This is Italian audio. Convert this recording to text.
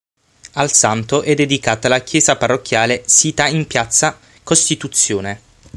Al santo è dedicata la chiesa parrocchiale sita in piazza Costituzione.